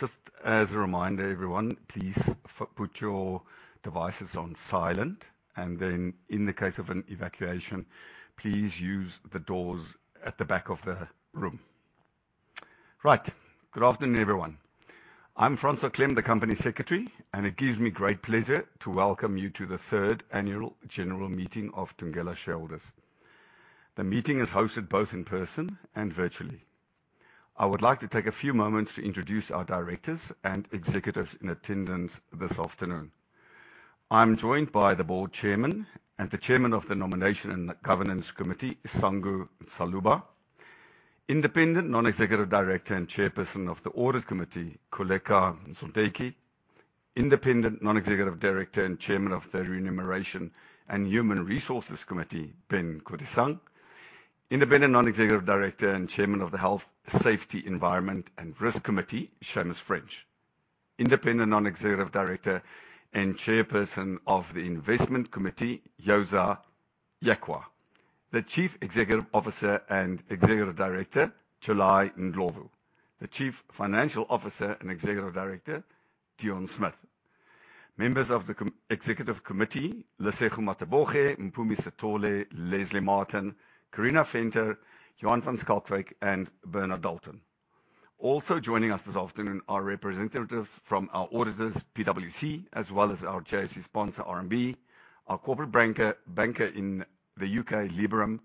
Just as a reminder, everyone, please put your devices on silent, and then in the case of an evacuation, please use the doors at the back of the room. Right. Good afternoon, everyone. I'm Francois Klem, the Company Secretary, and it gives me great pleasure to welcome you to the third annual general meeting of Thungela shareholders. The meeting is hosted both in person and virtually. I would like to take a few moments to introduce our directors and executives in attendance this afternoon. I'm joined by the Board Chairman and the Chairman of the Nomination and Governance Committee, Sango Ntsaluba. Independent Non-Executive Director and Chairperson of the Audit Committee, Kholeka Mzondeki. Independent Non-Executive Director and Chairman of the Remuneration and Human Resources Committee, Ben Kodisang. Independent Non-Executive Director and Chairman of the Health, Safety, Environment and Risk Committee, Seamus French. Independent Non-Executive Director and Chairperson of the Investment Committee, Yoza Jekwa. The Chief Executive Officer and Executive Director, July Ndlovu. The Chief Financial Officer and Executive Director, Deon Smith. Members of the executive committee, Lesego Mataboge, Mpumi Sithole, Lesley Martin, Carina Venter, Johan van Schalkwyk, and Bernard Dalton. Also joining us this afternoon are representatives from our auditors, PwC, as well as our JSE sponsor, RMB, our corporate banker in the UK, Liberum,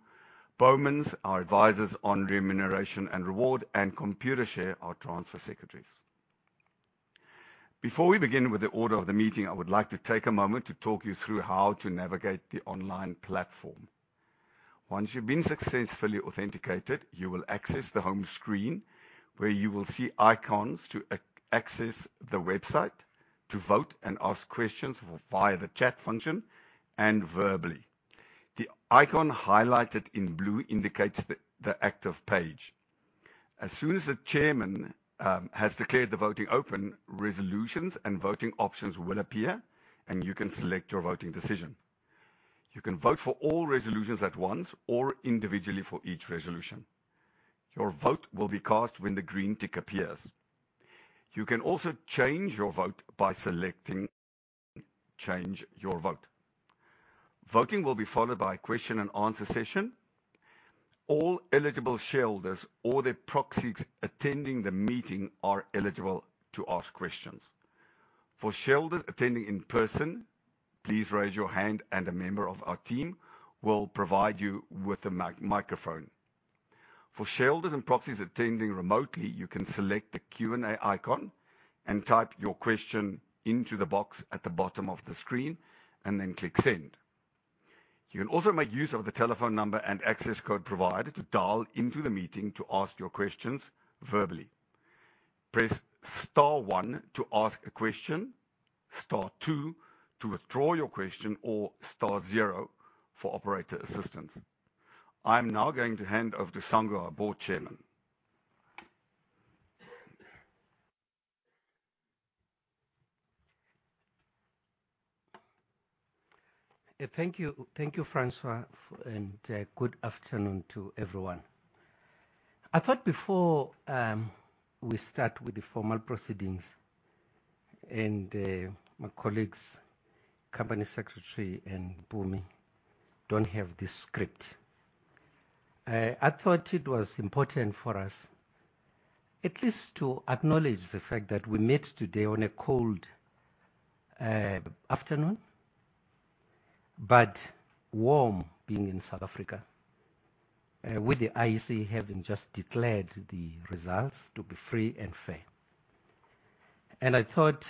Bowmans, our advisors on remuneration and reward, and Computershare, our transfer secretaries. Before we begin with the order of the meeting, I would like to take a moment to talk you through how to navigate the online platform. Once you've been successfully authenticated, you will access the home screen, where you will see icons to access the website to vote and ask questions via the chat function and verbally. The icon highlighted in blue indicates the active page. As soon as the chairman has declared the voting open, resolutions and voting options will appear, and you can select your voting decision. You can vote for all resolutions at once or individually for each resolution. Your vote will be cast when the green tick appears. You can also change your vote by selecting, "Change your vote." Voting will be followed by a question and answer session. All eligible shareholders or their proxies attending the meeting are eligible to ask questions. For shareholders attending in person, please raise your hand and a member of our team will provide you with a microphone. For shareholders and proxies attending remotely, you can select the Q&A icon and type your question into the box at the bottom of the screen, and then click Send. You can also make use of the telephone number and access code provided to dial into the meeting to ask your questions verbally. Press star one to ask a question, star two to withdraw your question, or star zero for operator assistance. I'm now going to hand over to Sango, our Board Chairman. Thank you. Thank you, Francois, and good afternoon to everyone. I thought before we start with the formal proceedings, and my colleagues, company secretary and Mpumi, don't have this script. I thought it was important for us at least to acknowledge the fact that we met today on a cold afternoon, but warm, being in South Africa, with the IEC having just declared the results to be free and fair. I thought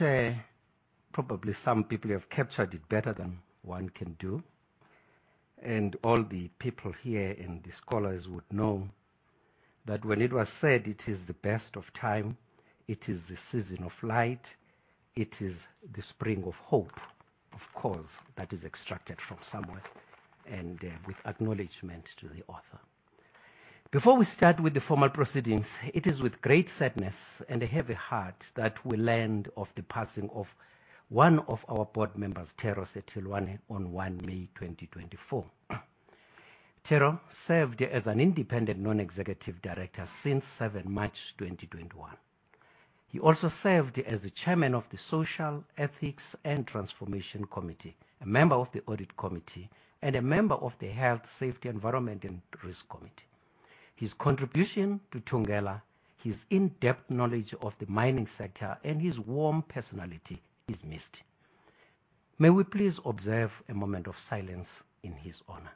probably some people have captured it better than one can do, and all the people here and the scholars would know that when it was said, "It is the best of time, it is the season of light, it is the spring of hope," of course, that is extracted from somewhere and with acknowledgement to the author. Before we start with the formal proceedings, it is with great sadness and a heavy heart that we learned of the passing of one of our board members, Thero Setiloane, on 1 May 2024. Thero served as an independent non-executive director since 7 March 2021. He also served as the chairman of the Social, Ethics, and Transformation Committee, a member of the Audit Committee, and a member of the Health, Safety, Environment, and Risk Committee. His contribution to Thungela, his in-depth knowledge of the mining sector, and his warm personality is missed. May we please observe a moment of silence in his honor?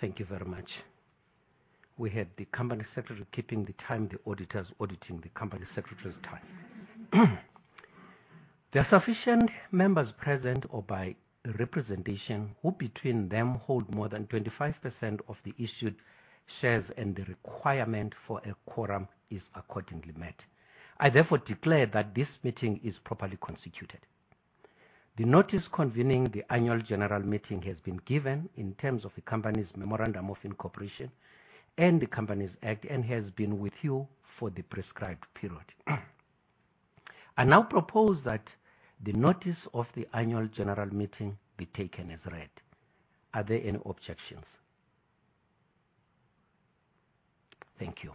Thank you very much. We had the company secretary keeping the time, the auditors auditing the company secretary's time.... There are sufficient members present or by representation, who between them hold more than 25% of the issued shares, and the requirement for a quorum is accordingly met. I therefore declare that this meeting is properly constituted. The notice convening the annual general meeting has been given in terms of the company's Memorandum of Incorporation and the Companies Act, and has been with you for the prescribed period. I now propose that the notice of the annual general meeting be taken as read. Are there any objections? Thank you.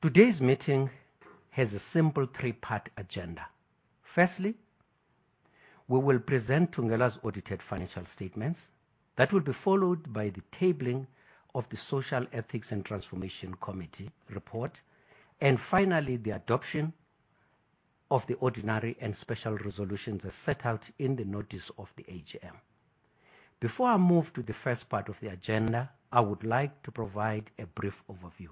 Today's meeting has a simple three-part agenda. Firstly, we will present Thungela's audited financial statements. That will be followed by the tabling of the Social Ethics and Transformation Committee report, and finally, the adoption of the ordinary and special resolutions as set out in the notice of the AGM. Before I move to the first part of the agenda, I would like to provide a brief overview.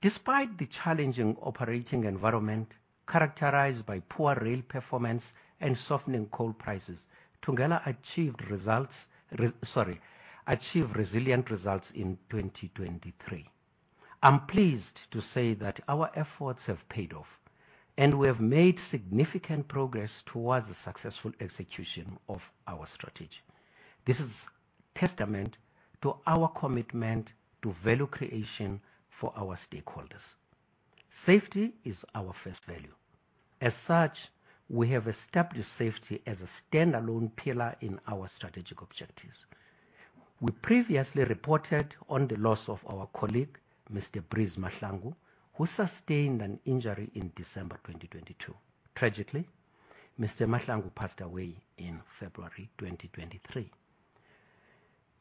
Despite the challenging operating environment characterized by poor rail performance and softening coal prices, Thungela achieved resilient results in 2023. I'm pleased to say that our efforts have paid off, and we have made significant progress towards the successful execution of our strategy. This is testament to our commitment to value creation for our stakeholders. Safety is our first value. As such, we have established safety as a standalone pillar in our strategic objectives. We previously reported on the loss of our colleague, Mr. Breeze Mahlangu, who sustained an injury in December 2022. Tragically, Mr. Mahlangu passed away in February 2023.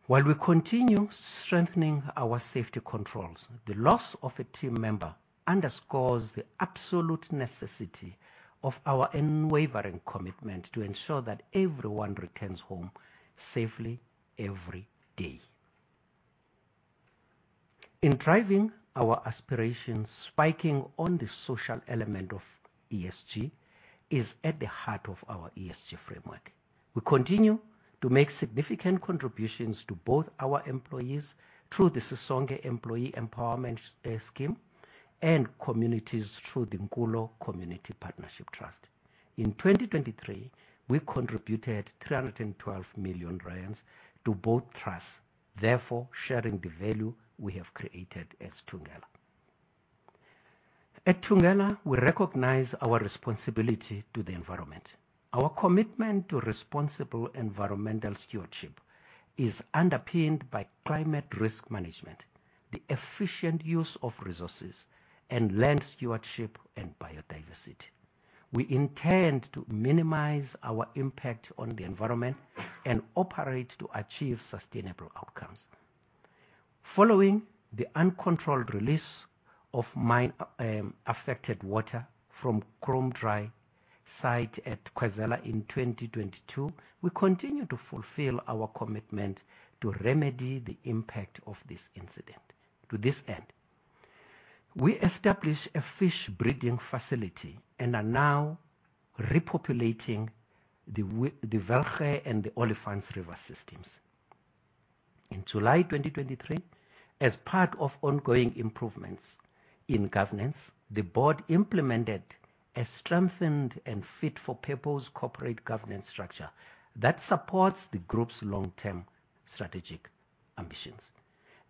While we continue strengthening our safety controls, the loss of a team member underscores the absolute necessity of our unwavering commitment to ensure that everyone returns home safely every day. In driving our aspirations, spiking on the social element of ESG is at the heart of our ESG framework. We continue to make significant contributions to both our employees through the Sisonke Employee Empowerment Scheme, and communities through the Nkulo Community Partnership Trust. In 2023, we contributed 312 million rand to both trusts, therefore sharing the value we have created as Thungela. At Thungela, we recognize our responsibility to the environment. Our commitment to responsible environmental stewardship is underpinned by climate risk management, the efficient use of resources, and land stewardship and biodiversity. We intend to minimize our impact on the environment and operate to achieve sustainable outcomes. Following the uncontrolled release of mine-affected water from Kromdraai site at Khwezela in 2022, we continue to fulfill our commitment to remedy the impact of this incident. To this end, we established a fish breeding facility and are now repopulating the Wilge and the Olifants river systems. In July 2023, as part of ongoing improvements in governance, the board implemented a strengthened and fit-for-purpose corporate governance structure that supports the group's long-term strategic ambitions.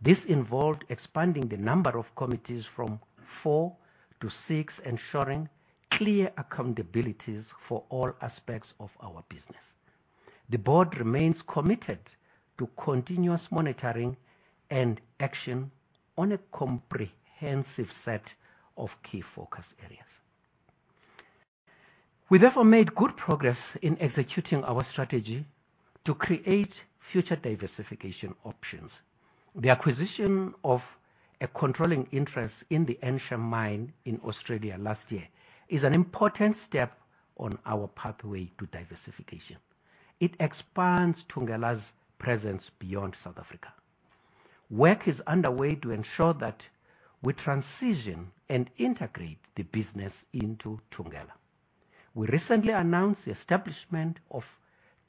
This involved expanding the number of committees from four to six, ensuring clear accountabilities for all aspects of our business. The board remains committed to continuous monitoring and action on a comprehensive set of key focus areas. We therefore made good progress in executing our strategy to create future diversification options. The acquisition of a controlling interest in the Ensham Mine in Australia last year is an important step on our pathway to diversification. It expands Thungela's presence beyond South Africa. Work is underway to ensure that we transition and integrate the business into Thungela. We recently announced the establishment of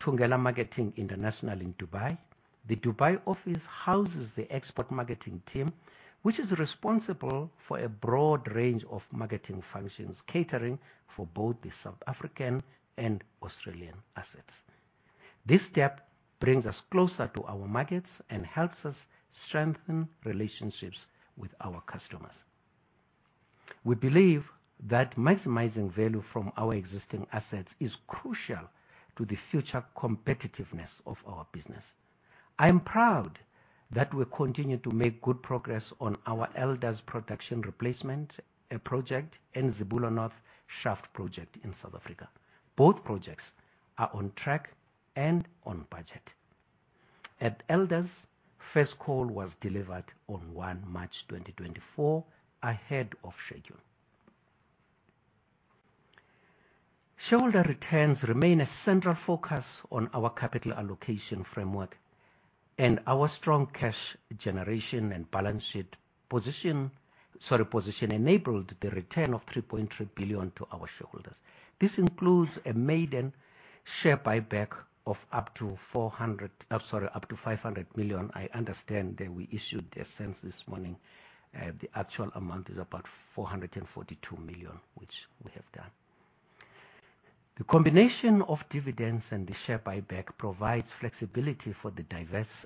Thungela Marketing International in Dubai. The Dubai office houses the export marketing team, which is responsible for a broad range of marketing functions, catering for both the South African and Australian assets. This step brings us closer to our markets and helps us strengthen relationships with our customers. We believe that maximizing value from our existing assets is crucial to the future competitiveness of our business. I am proud that we continue to make good progress on our Elders production replacement project and the Zibulo North Shaft project in South Africa. Both projects are on track and on budget. At Elders, first coal was delivered on 1 March 2024, ahead of schedule. Shareholder returns remain a central focus on our capital allocation framework, and our strong cash generation and balance sheet position enabled the return of 3.3 billion to our shareholders. This includes a maiden share buyback of up to 400 up to 500 million. I understand that we issued a SENS this morning. The actual amount is about 442 million, which we have done. The combination of dividends and the share buyback provides flexibility for the diverse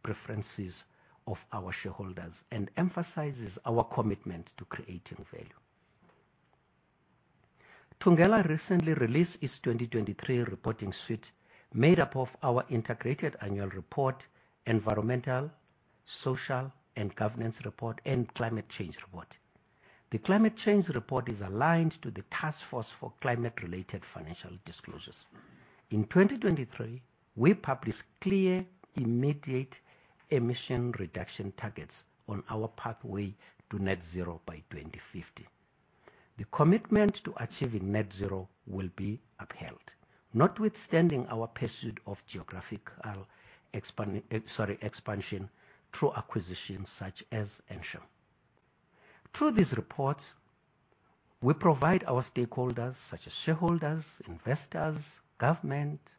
preferences of our shareholders and emphasises our commitment to creating value. Thungela recently released its 2023 reporting suite, made up of our integrated annual report, environmental, social, and governance report, and climate change report. The climate change report is aligned to the Task Force on Climate-related Financial Disclosures. In 2023, we published clear, immediate emission reduction targets on our pathway to net zero by 2050. The commitment to achieving net zero will be upheld, notwithstanding our pursuit of geographical expansion through acquisitions such as Ensham. Through these reports, we provide our stakeholders, such as shareholders, investors, government,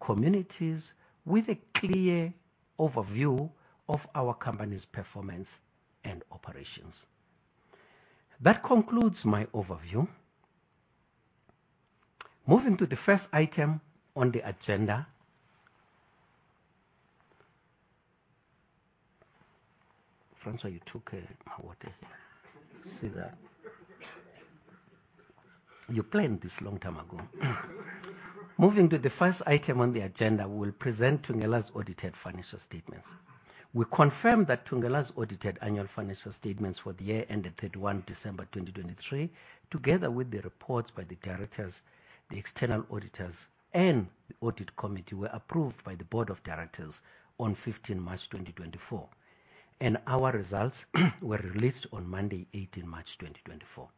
communities, with a clear overview of our company's performance and operations. That concludes my overview. Moving to the first item on the agenda. Francois, you took my water. See that? You planned this long time ago. Moving to the first item on the agenda, we'll present Thungela's audited financial statements. We confirm that Thungela's audited annual financial statements for the year ended 31 December 2023, together with the reports by the directors, the external auditors, and the audit committee, were approved by the Board of Directors on 15 March 2024, and our results were released on Monday, 18 March 2024.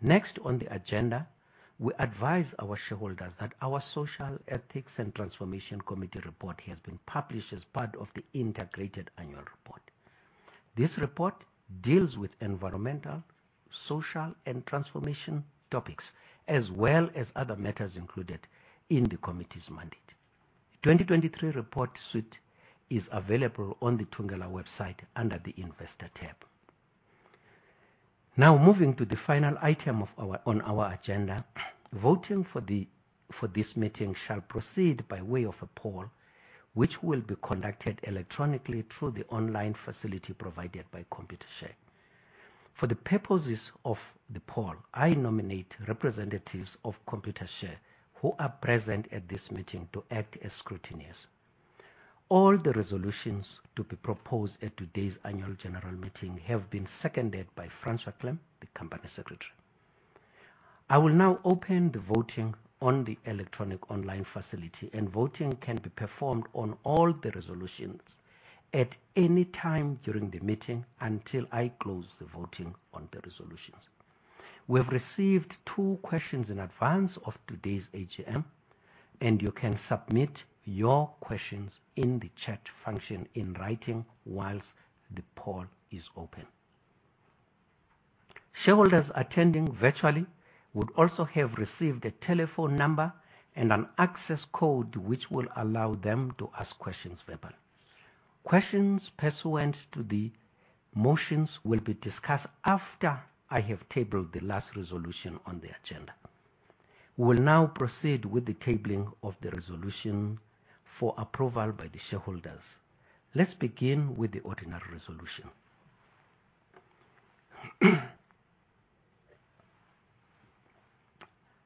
Next on the agenda, we advise our shareholders that our Social, Ethics and Transformation Committee report has been published as part of the integrated annual report. This report deals with environmental, social, and transformation topics, as well as other matters included in the committee's mandate. 2023 report suite is available on the Thungela website under the Investor tab. Now, moving to the final item on our agenda. Voting for this meeting shall proceed by way of a poll, which will be conducted electronically through the online facility provided by Computershare. For the purposes of the poll, I nominate representatives of Computershare who are present at this meeting to act as scrutineers. All the resolutions to be proposed at today's annual general meeting have been seconded by Francois Kleyn, the company secretary. I will now open the voting on the electronic online facility, and voting can be performed on all the resolutions at any time during the meeting until I close the voting on the resolutions. We have received two questions in advance of today's AGM, and you can submit your questions in the chat function in writing while the poll is open. Shareholders attending virtually would also have received a telephone number and an access code, which will allow them to ask questions verbally. Questions pursuant to the motions will be discussed after I have tabled the last resolution on the agenda. We will now proceed with the tabling of the resolution for approval by the shareholders. Let's begin with the ordinary resolution.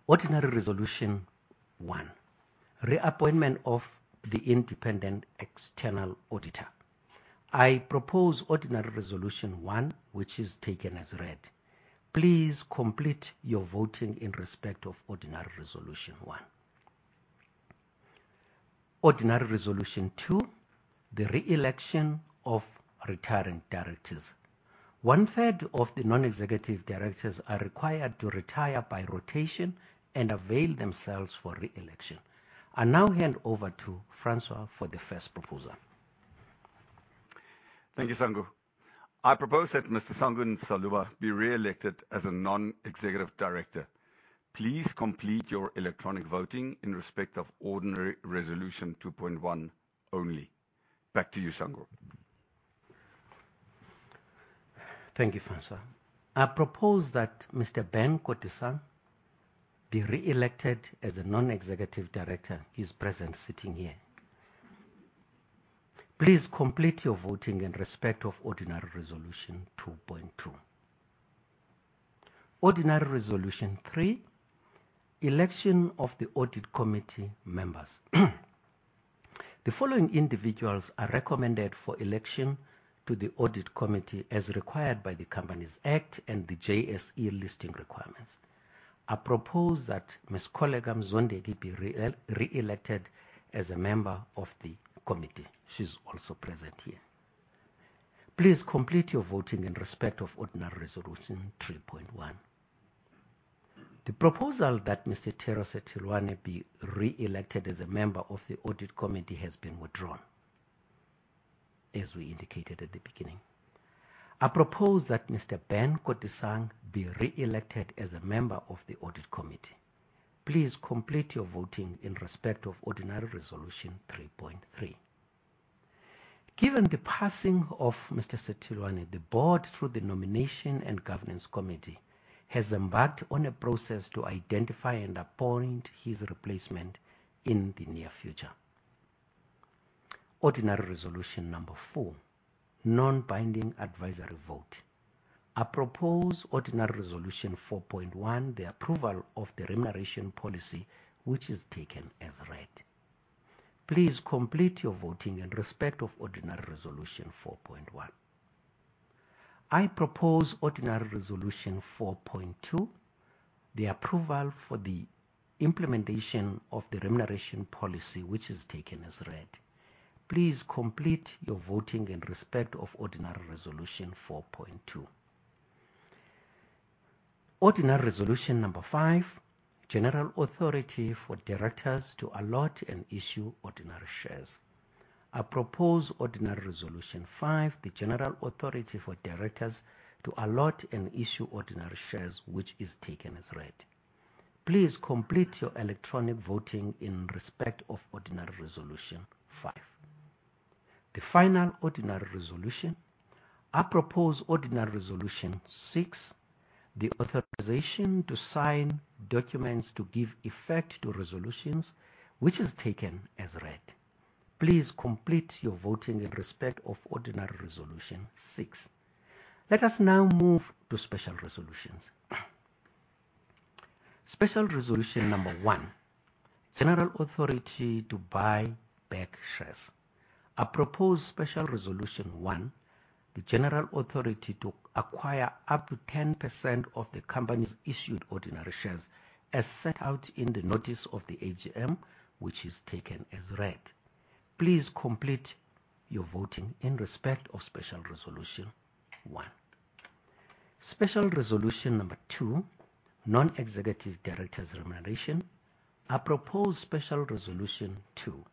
Ordinary Resolution 1: Reappointment of the independent external auditor. I propose Ordinary Resolution, which is taken as read. Please complete your voting in respect of Ordinary Resolution 1. Ordinary Resolution 2: the re-election of retiring directors. One-third of the non-executive directors are required to retire by rotation and avail themselves for re-election. I now hand over to Francois for the first proposal. Thank you, Sango. I propose that Mr. Sango Ntsaluba be re-elected as a non-executive director. Please complete your electronic voting in respect of ordinary Resolution 2.1 only. Back to you, Sango. Thank you, Francois. I propose that Mr. Ben Kodisang be re-elected as a non-executive director. He's present, sitting here. Please complete your voting in respect of ordinary Resolution 2.2. Ordinary Resolution 3: election of the audit committee members. The following individuals are recommended for election to the audit committee, as required by the Companies Act and the JSE listing requirements. I propose that Ms. Kholeka Mzondeki be re-elected as a member of the committee. She's also present here. Please complete your voting in respect of ordinary Resolution 3.1. The proposal that Mr. Thero Setiloane be re-elected as a member of the audit committee has been withdrawn, as we indicated at the beginning. I propose that Mr. Ben Kodisang be re-elected as a member of the audit committee. Please complete your voting in respect of ordinary Resolution 3.3. Given the passing of Mr. Setiloane, the board, through the Nomination and Governance Committee, has embarked on a process to identify and appoint his replacement in the near future. Ordinary Resolution number 4: Non-binding advisory vote. I propose Ordinary Resolution 4.1, the approval of the remuneration policy, which is taken as read. Please complete your voting in respect of Ordinary Resolution 4.1. I propose Ordinary Resolution 4.2, the approval for the implementation of the remuneration policy, which is taken as read. Please complete your voting in respect of Ordinary Resolution 4.2. Ordinary Resolution number 5: General authority for directors to allot and issue ordinary shares. I propose Ordinary Resolution 5, the general authority for directors to allot and issue ordinary shares, which is taken as read. Please complete your electronic voting in respect of Ordinary Resolution 5. The final ordinary resolution. I propose Ordinary Resolution 6, the authorization to sign documents to give effect to resolutions, which is taken as read. Please complete your voting in respect of Ordinary Resolution 6. Let us now move to special resolutions. Special Resolution number 1: General authority to buy back shares. I propose Special Resolution 1, the general authority to acquire up to 10% of the company's issued ordinary shares, as set out in the notice of the AGM, which is taken as read. Please complete your voting in respect of Special Resolution 1. Special Resolution number 2: Non-executive directors' remuneration. I propose Special Resolution 2,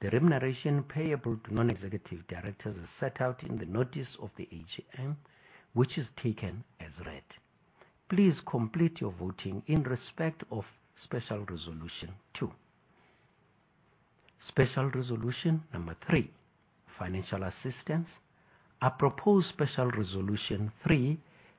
the remuneration payable to non-executive directors, as set out in the notice of the AGM, which is taken as read. Please complete your voting in respect of Special Resolution 2. Special Resolution number 3: Financial assistance. I propose Special Resolution 3,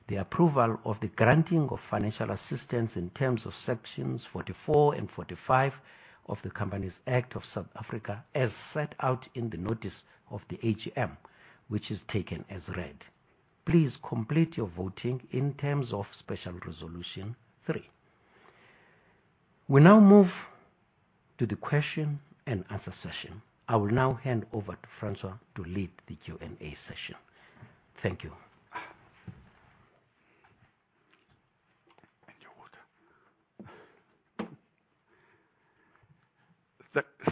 the approval of the granting of financial assistance in terms of sections 44 and 45 of the Companies Act of South Africa, as set out in the notice of the AGM, which is taken as read. Please complete your voting in terms of Special Resolution 3. We now move to the question and answer session. I will now hand over to Francois to lead the Q&A session. Thank you. And your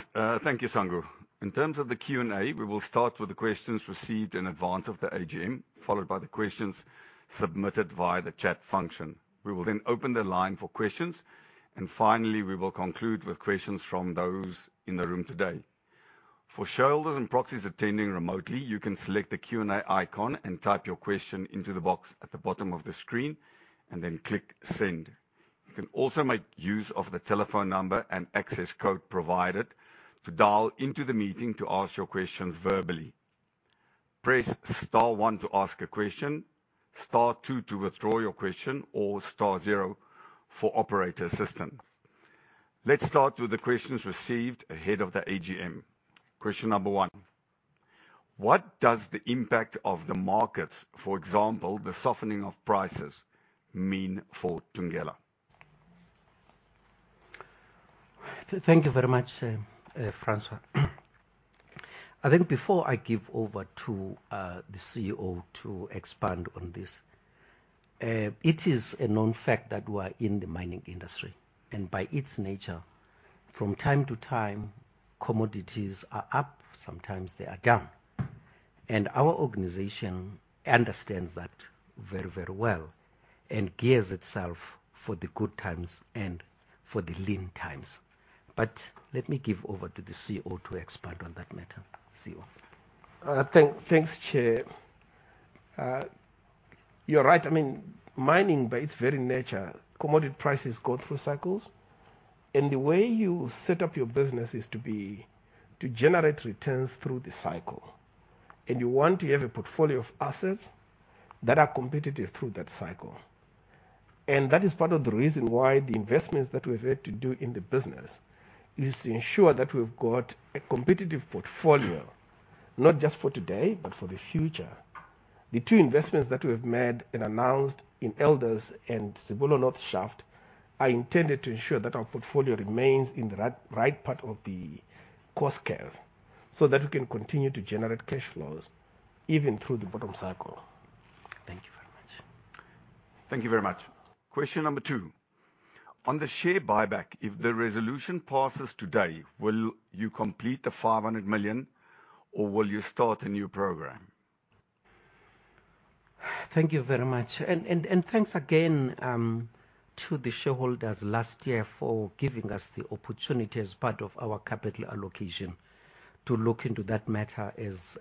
water. Thank you, Sango. In terms of the Q&A, we will start with the questions received in advance of the AGM, followed by the questions submitted via the chat function. We will then open the line for questions, and finally, we will conclude with questions from those in the room today. For shareholders and proxies attending remotely, you can select the Q&A icon and type your question into the box at the bottom of the screen and then click Send. You can also make use of the telephone number and access code provided to dial into the meeting to ask your questions verbally. Press star one to ask a question, star two to withdraw your question, or star zero for operator assistance. Let's start with the questions received ahead of the AGM. Question number one: What does the impact of the markets, for example, the softening of prices, mean for Thungela? Thank you very much, Francois. I think before I give over to the CEO to expand on this, it is a known fact that we are in the mining industry, and by its nature, from time to time, commodities are up, sometimes they are down. Our organization understands that very, very well and gears itself for the good times and for the lean times. But let me give over to the CEO to expand on that matter. CEO? Thanks, Chair. You're right. I mean, mining, by its very nature, commodity prices go through cycles, and the way you set up your business is to be-- to generate returns through the cycle, and you want to have a portfolio of assets that are competitive through that cycle. And that is part of the reason why the investments that we've had to do in the business is to ensure that we've got a competitive portfolio, not just for today, but for the future. The two investments that we've made and announced in Elders and Zibulo North Shaft are intended to ensure that our portfolio remains in the right part of the cost curve, so that we can continue to generate cash flows even through the bottom cycle.... Thank you very much. Question number two: On the share buyback, if the resolution passes today, will you complete the 500 million or will you start a new program? Thank you very much. And thanks again to the shareholders last year for giving us the opportunity as part of our capital allocation to look into that matter as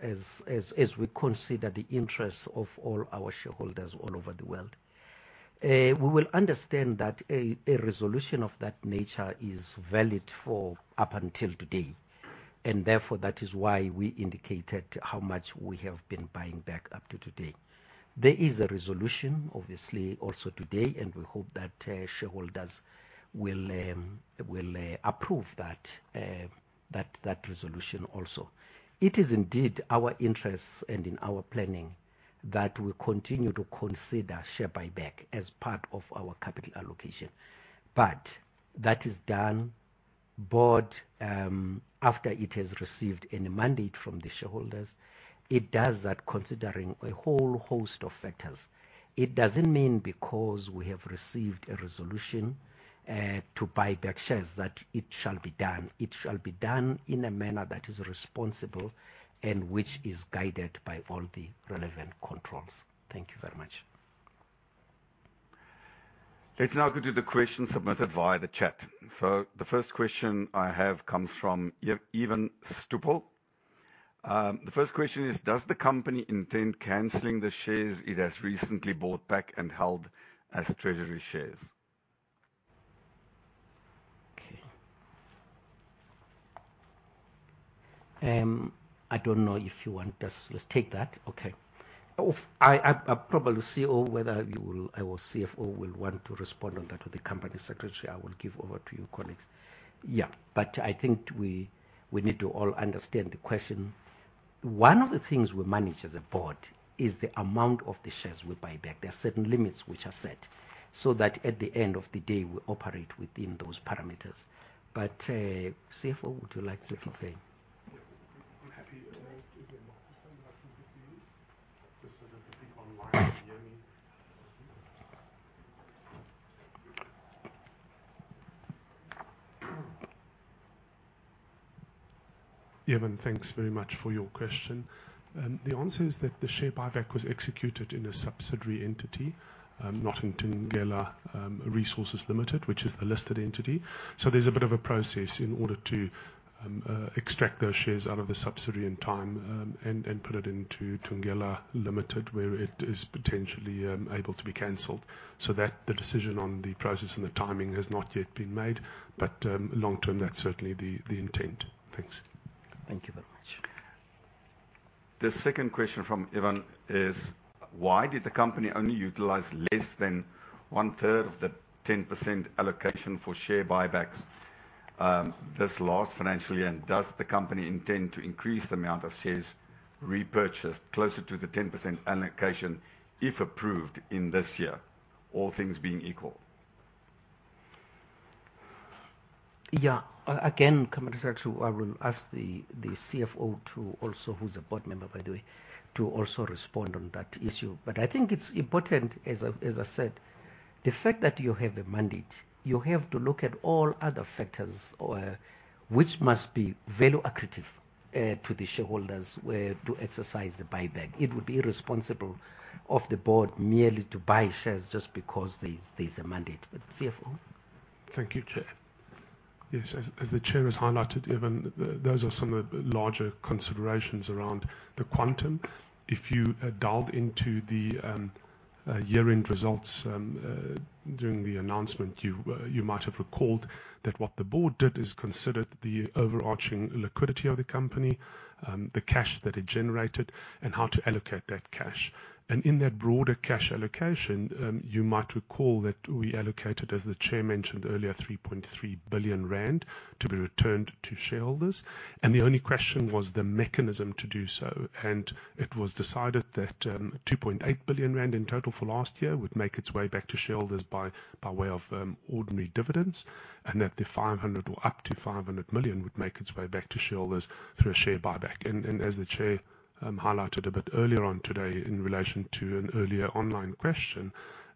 we consider the interests of all our shareholders all over the world. We will understand that a resolution of that nature is valid for up until today, and therefore, that is why we indicated how much we have been buying back up to today. There is a resolution, obviously, also today, and we hope that shareholders will approve that resolution also. It is indeed our interest and in our planning that we continue to consider share buyback as part of our capital allocation. But that is done, board, after it has received any mandate from the shareholders, it does that considering a whole host of factors. It doesn't mean because we have received a resolution to buy back shares, that it shall be done. It shall be done in a manner that is responsible and which is guided by all the relevant controls. Thank you very much. Let's now go to the questions submitted via the chat. So the first question I have comes from Evan Stupple. The first question is: Does the company intend canceling the shares it has recently bought back and held as treasury shares? Okay. I don't know if you want us-- Let's take that. Okay. I probably see or whether you will... Our CFO will want to respond on that to the company secretary. I will give over to you, Deon. Yeah, but I think we need to all understand the question. One of the things we manage as a board is the amount of the shares we buy back. There are certain limits which are set, so that at the end of the day, we operate within those parameters. But, CFO, would you like to explain? Yeah. I'm happy to get the microphone back to you, just so that the people online can hear me. Evan, thanks very much for your question. The answer is that the share buyback was executed in a subsidiary entity, not in Thungela Resources Limited, which is the listed entity. So there's a bit of a process in order to extract those shares out of the subsidiary in time, and put it into Thungela Limited, where it is potentially able to be canceled. So that the decision on the process and the timing has not yet been made, but long term, that's certainly the intent. Thanks. Thank you very much. The second question from Evan is: Why did the company only utilize less than one-third of the 10% allocation for share buybacks, this last financial year? Does the company intend to increase the amount of shares repurchased closer to the 10% allocation, if approved in this year, all things being equal? Yeah. Again, coming back to, I will ask the CFO to also, who's a board member, by the way, to also respond on that issue. But I think it's important, as I said, the fact that you have a mandate, you have to look at all other factors or, which must be very accretive to the shareholders to exercise the buyback. It would be irresponsible of the board merely to buy shares just because there's a mandate. But CFO? Thank you, Chair. Yes, as the Chair has highlighted, Evan, those are some of the larger considerations around the quantum. If you delved into the year-end results during the announcement, you might have recalled that what the board did is considered the overarching liquidity of the company, the cash that it generated, and how to allocate that cash. And in that broader cash allocation, you might recall that we allocated, as the Chair mentioned earlier, 3.3 billion rand to be returned to shareholders. The only question was the mechanism to do so, and it was decided that 2.8 billion rand in total for last year would make its way back to shareholders by way of ordinary dividends, and that 500 million or up to 500 million would make its way back to shareholders through a share buyback. As the Chair highlighted a bit earlier on today in relation to an earlier online question,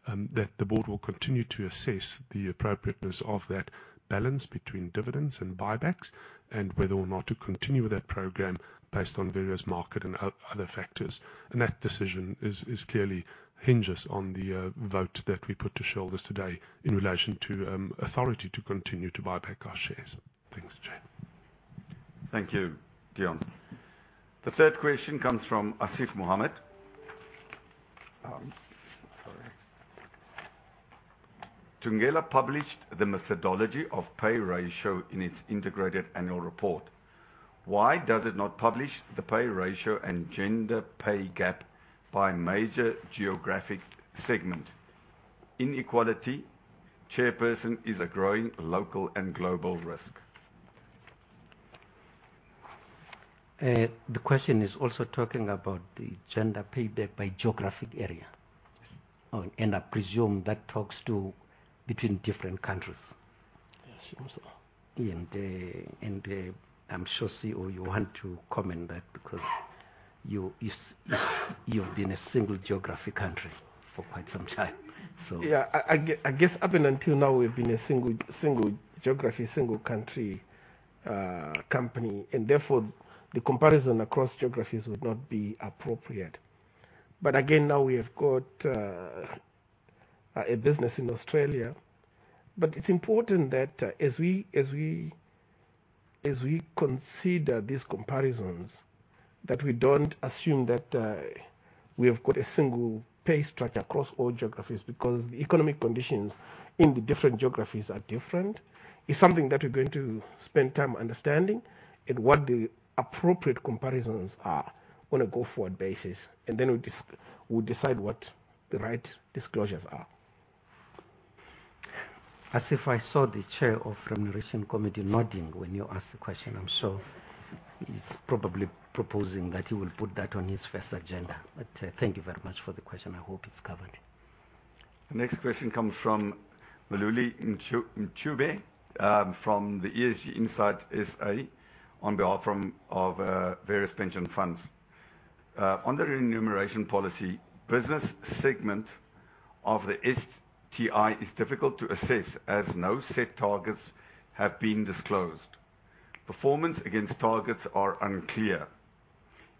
the board will continue to assess the appropriateness of that balance between dividends and buybacks, and whether or not to continue with that program based on various market and other factors. That decision clearly hinges on the vote that we put to shareholders today in relation to authority to continue to buy back our shares. Thanks, Chair. Thank you, Deon. The third question comes from Asief Mohamed. Thungela published the methodology of pay ratio in its integrated annual report. Why does it not publish the pay ratio and gender pay gap by major geographic segment? Inequality, Chairperson, is a growing local and global risk. The question is also talking about the gender pay gap by geographic area. Yes. And I presume that talks to between different countries... And, I'm sure, CEO, you want to comment that, because you, it's, you've been a single geography country for quite some time, so. Yeah, I guess up until now, we've been a single geography, single country company, and therefore, the comparison across geographies would not be appropriate. But again, now we have got a business in Australia. But it's important that as we consider these comparisons, that we don't assume that we have got a single pay structure across all geographies, because the economic conditions in the different geographies are different. It's something that we're going to spend time understanding, and what the appropriate comparisons are on a go-forward basis, and then we'll decide what the right disclosures are. Asief, I saw the Chair of the Remuneration Committee nodding when you asked the question. I'm sure he's probably proposing that he will put that on his first agenda. But, thank you very much for the question. I hope it's covered. The next question comes from Mhluli Mncunu from ESG Insight SA, on behalf of various pension funds. On the remuneration policy, business segment of the STI is difficult to assess, as no set targets have been disclosed. Performance against targets are unclear.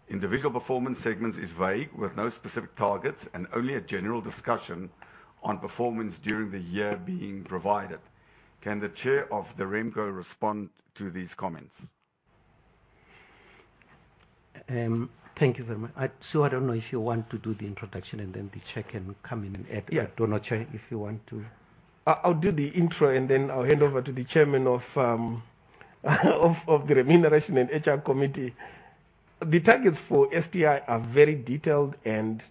Individual performance segments is vague, with no specific targets and only a general discussion on performance during the year being provided. Can the chair of the RemCo respond to these comments? Thank you very much. I don't know if you want to do the introduction, and then the chair can come in and add- Yeah. not chair, if you want to. I'll do the intro, and then I'll hand over to the chairman of the Remuneration and HR Committee. The targets for STI are very detailed and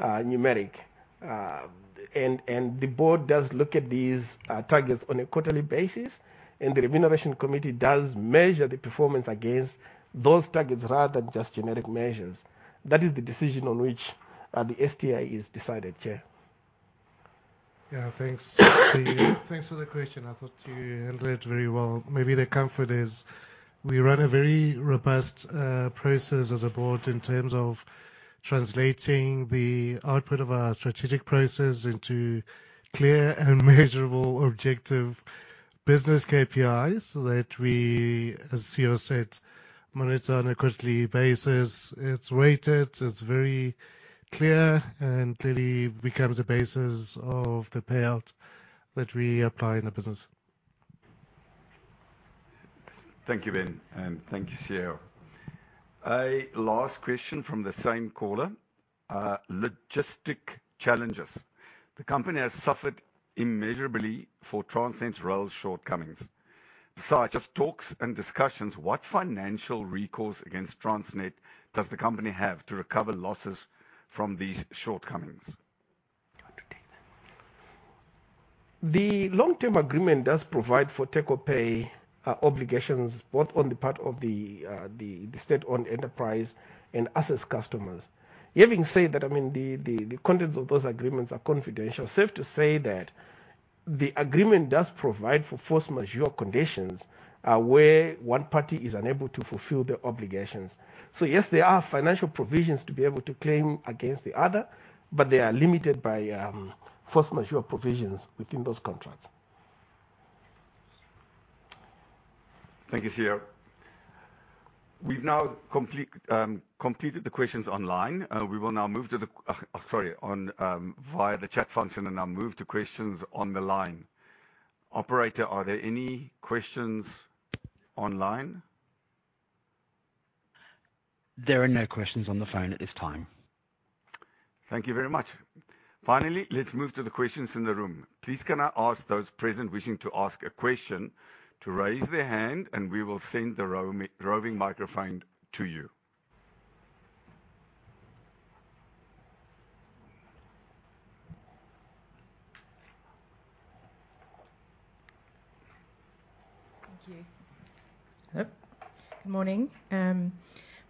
numeric. The board does look at these targets on a quarterly basis, and the Remuneration Committee does measure the performance against those targets rather than just generic measures. That is the decision on which the STI is decided, Chair. Yeah. Thanks. Thanks for the question. I thought you handled it very well. Maybe the comfort is, we run a very robust, process as a board in terms of translating the output of our strategic process into clear and measurable objective business KPIs so that we, as CEO said, monitor on a quarterly basis. It's weighted, it's very clear, and clearly becomes the basis of the payout that we apply in the business. Thank you, Ben, and thank you, CEO. A last question from the same caller. Logistics challenges. The company has suffered immeasurably from Transnet's rail shortcomings. Besides just talks and discussions, what financial recourse against Transnet does the company have to recover losses from these shortcomings? You want to take that. The long-term agreement does provide for take or pay obligations, both on the part of the state-owned enterprise and us as customers. Having said that, I mean, the contents of those agreements are confidential. Safe to say that the agreement does provide for Force Majeure conditions, where one party is unable to fulfill their obligations. So yes, there are financial provisions to be able to claim against the other, but they are limited by Force Majeure provisions within those contracts. Thank you, CEO. We've now completed the questions online. We will now move via the chat function, and now move to questions on the line. Operator, are there any questions online? There are no questions on the phone at this time. Thank you very much. Finally, let's move to the questions in the room. Please, can I ask those present wishing to ask a question to raise their hand, and we will send the roving microphone to you. Thank you. Hello. Good morning.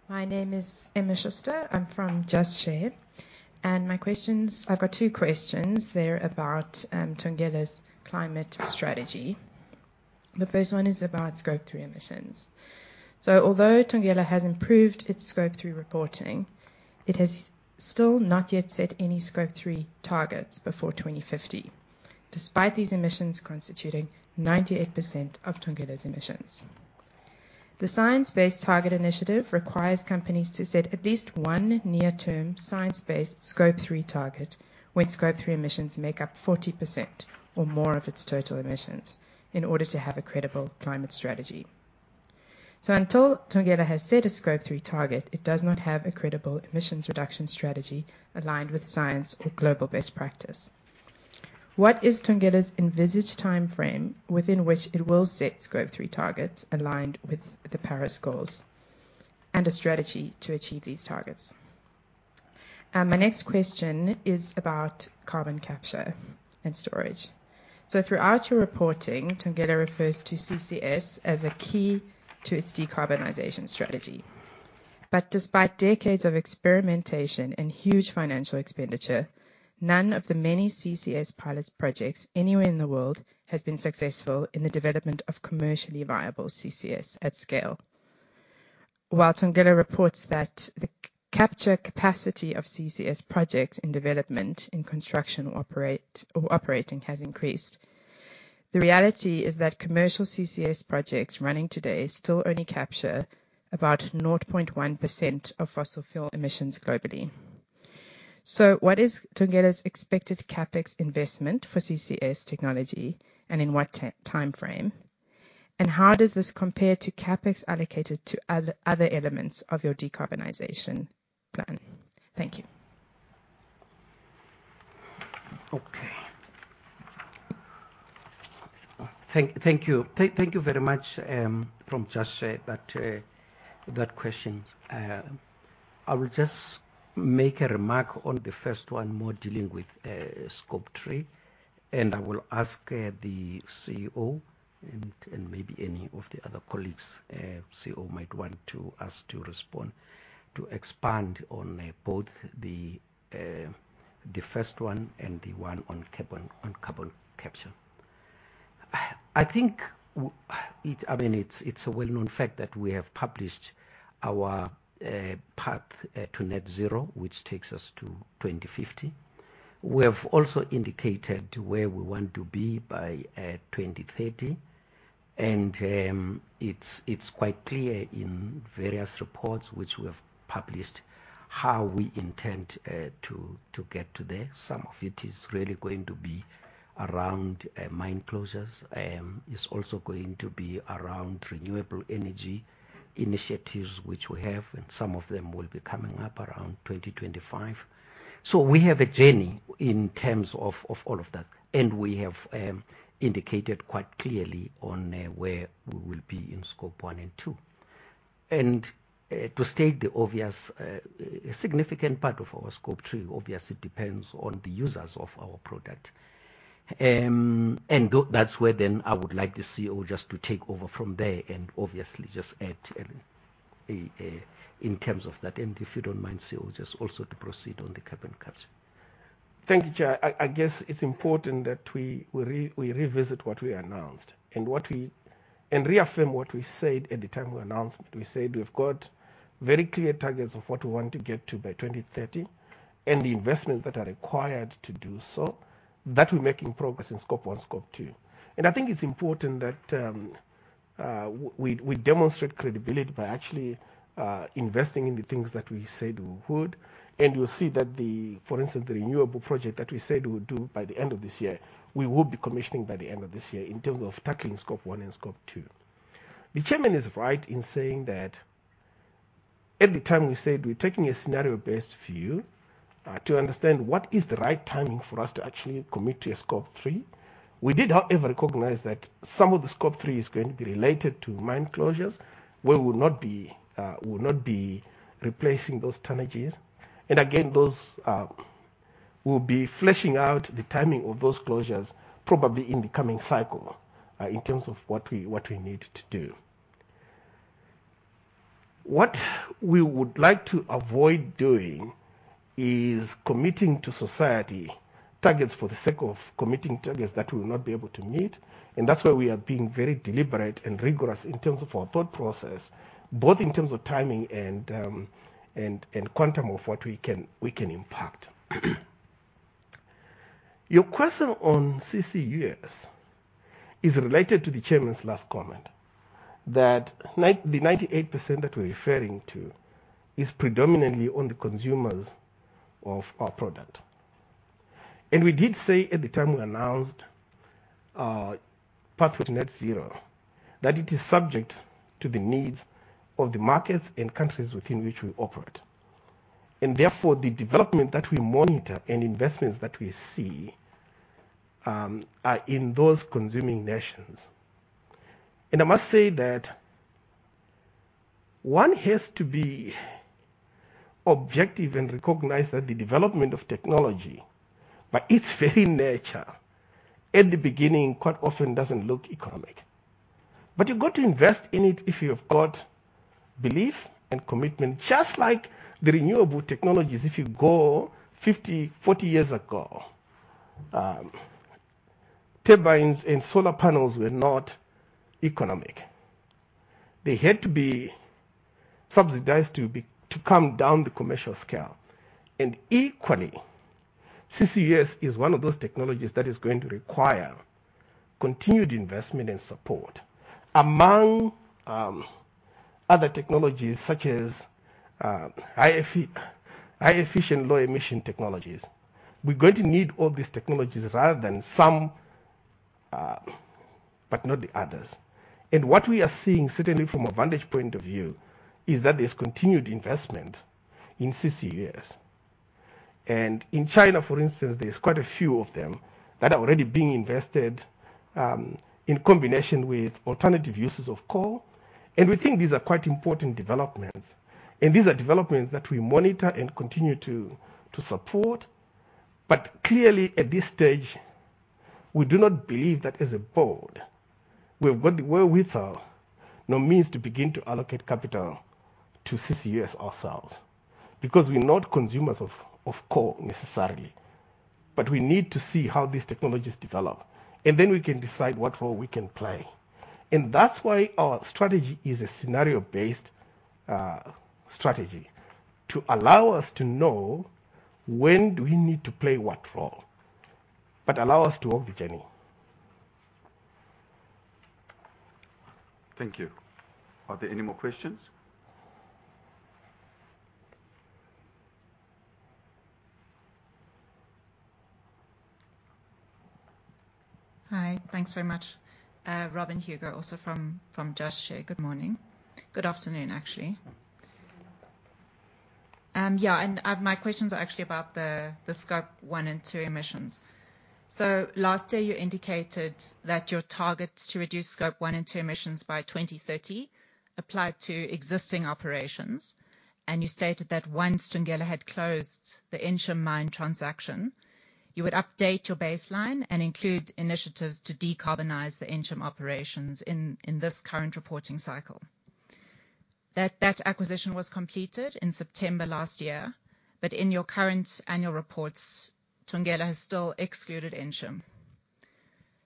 My name is Emma Schuster. I'm from Just Share. And my questions, I've got two questions. They're about Thungela's climate strategy. The first one is about Scope 3 emissions. So although Thungela has improved its Scope 3 reporting, it has still not yet set any Scope 3 targets before 2050, despite these emissions constituting 98% of Thungela's emissions. The Science-Based Targets initiative requires companies to set at least one near-term science-based Scope 3 target, when Scope 3 emissions make up 40% or more of its total emissions, in order to have a credible climate strategy. So until Thungela has set a Scope 3 target, it does not have a credible emissions reduction strategy aligned with science or global best practice. What is Thungela's envisaged timeframe within which it will set Scope 3 targets aligned with the Paris goals, and a strategy to achieve these targets? My next question is about carbon capture and storage. So throughout your reporting, Thungela refers to CCS as a key to its decarbonization strategy. But despite decades of experimentation and huge financial expenditure, none of the many CCS pilot projects anywhere in the world has been successful in the development of commercially viable CCS at scale. While Thungela reports that the capture capacity of CCS projects in development, in construction, operating, or operating, has increased, the reality is that commercial CCS projects running today still only capture about 0.1% of fossil fuel emissions globally. So what is Thungela's expected CapEx investment for CCS technology, and in what timeframe? How does this compare to CapEx allocated to other elements of your decarbonization plan? Thank you. Okay. Thank you. Thank you very much from Just that question. I will just make a remark on the first one, more dealing with Scope 3, and I will ask the CEO and maybe any of the other colleagues. CEO might want to ask to respond, to expand on both the first one and the one on carbon capture. I think it. I mean, it's a well-known fact that we have published our path to Net Zero, which takes us to 2050. We have also indicated where we want to be by 2030, and it's quite clear in various reports which we have published, how we intend to get to there. Some of it is really going to be around mine closures. It's also going to be around renewable energy initiatives, which we have, and some of them will be coming up around 2025. So we have a journey in terms of all of that, and we have indicated quite clearly on where we will be in Scope 1 and 2. And to state the obvious, a significant part of our Scope 3 obviously depends on the users of our product. And that's where then I would like the CEO just to take over from there and obviously just add in terms of that, and if you don't mind, CEO, just also to proceed on the carbon capture. Thank you, Chair. I guess it's important that we revisit what we announced and reaffirm what we said at the time we announced it. We said we've got very clear targets of what we want to get to by 2030, and the investments that are required to do so, that we're making progress in Scope 1, Scope 2. And I think it's important that we demonstrate credibility by actually investing in the things that we said we would. And you'll see that, for instance, the renewable project that we said we would do by the end of this year, we will be commissioning by the end of this year in terms of tackling Scope 1 and Scope 2. The chairman is right in saying that at the time, we said we're taking a scenario-based view, to understand what is the right timing for us to actually commit to a Scope 3. We did, however, recognize that some of the Scope 3 is going to be related to mine closures, where we will not be, we will not be replacing those tonnages. And again, those, we'll be fleshing out the timing of those closures, probably in the coming cycle, in terms of what we, what we need to do. What we would like to avoid doing is committing to society targets for the sake of committing targets that we will not be able to meet, and that's why we are being very deliberate and rigorous in terms of our thought process, both in terms of timing and quantum of what we can impact. Your question on CCUS is related to the chairman's last comment, that the 98% that we're referring to is predominantly on the consumers of our product. And we did say at the time we announced path to net zero, that it is subject to the needs of the markets and countries within which we operate, and therefore, the development that we monitor and investments that we see are in those consuming nations. I must say that one has to be objective and recognize that the development of technology, by its very nature, at the beginning, quite often doesn't look economic. But you've got to invest in it if you've got belief and commitment, just like the renewable technologies. If you go 50, 40 years ago, turbines and solar panels were not economic. They had to be subsidized to come down to commercial scale. And equally, CCUS is one of those technologies that is going to require continued investment and support among other technologies such as high efficient, low emission technologies. We're going to need all these technologies rather than some, but not the others. And what we are seeing, certainly from a vantage point of view, is that there's continued investment in CCUS. And in China, for instance, there's quite a few of them that are already being invested in combination with alternative uses of coal. And we think these are quite important developments, and these are developments that we monitor and continue to support. But clearly, at this stage, we do not believe that as a board, we've got the wherewithal nor means to begin to allocate capital to CCUS ourselves, because we're not consumers of coal necessarily. But we need to see how these technologies develop, and then we can decide what role we can play. And that's why our strategy is a scenario-based strategy, to allow us to know when do we need to play what role, but allow us to walk the journey. Thank you. Are there any more questions? Hi, thanks very much, Robyn Hugo, also from Just Share. Good morning. Good afternoon, actually. My questions are actually about the Scope 1 and 2 emissions. So last year, you indicated that your targets to reduce Scope 1 and 2 emissions by 2030 apply to existing operations, and you stated that once Thungela had closed the Ensham Mine transaction, you would update your baseline and include initiatives to decarbonize the Ensham operations in this current reporting cycle. That acquisition was completed in September last year, but in your current annual reports, Thungela has still excluded Ensham.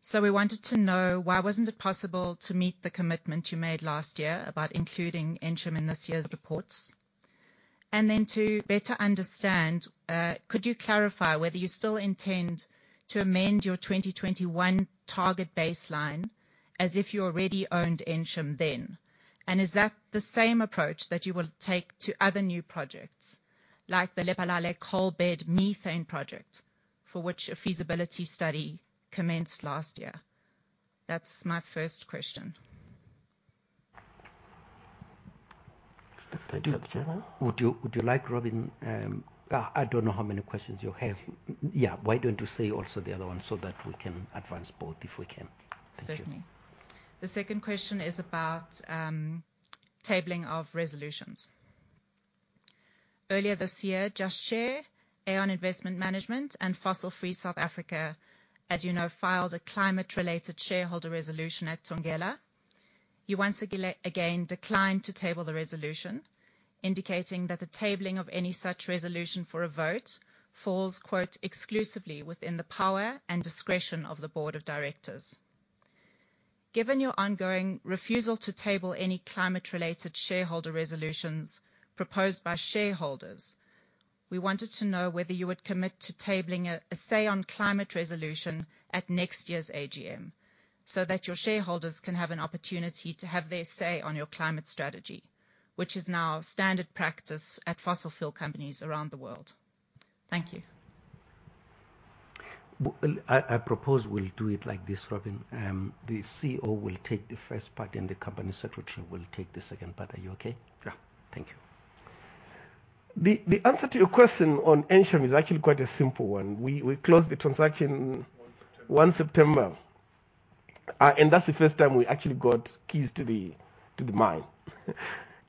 So we wanted to know, why wasn't it possible to meet the commitment you made last year about including Ensham in this year's reports? To better understand, could you clarify whether you still intend to amend your 2021 target baseline as if you already owned Ensham then? Is that the same approach that you will take to other new projects, like the Lephalale Coal Bed Methane Project, for which a feasibility study commenced last year? That's my first question. Thank you, Chairman. Would you like, Robyn, I don't know how many questions you have. Okay. Yeah. Why don't you say also the other one, so that we can advance both if we can? Thank you. Certainly. The second question is about tabling of resolutions. Earlier this year, Just Share, Aeon Investment Management, and Fossil Free South Africa, as you know, filed a climate-related shareholder resolution at Thungela. You once again declined to table the resolution, indicating that the tabling of any such resolution for a vote falls, quote, "Exclusively within the power and discretion of the board of directors." Given your ongoing refusal to table any climate-related shareholder resolutions proposed by shareholders, we wanted to know whether you would commit to tabling a say on climate resolution at next year's AGM, so that your shareholders can have an opportunity to have their say on your climate strategy, which is now standard practice at fossil fuel companies around the world. Thank you. I propose we'll do it like this, Robyn. The CEO will take the first part, and the company secretary will take the second part. Are you okay? Yeah. Thank you. The answer to your question on Ensham is actually quite a simple one. We closed the transaction- 1 September... 1 September. And that's the first time we actually got keys to the mine.